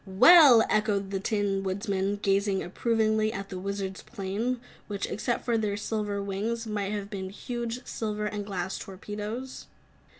"Well!" echoed the Tin Woodman, gazing approvingly at the Wizard's planes, which, except for their silver wings, might have been huge, silver and glass torpedoes.